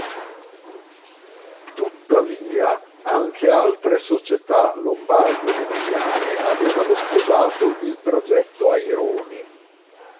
Tuttavia anche altre società lombarde ed emiliane avevano sposato il progetto Aironi.